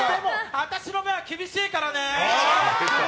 あたしの目は厳しいからね！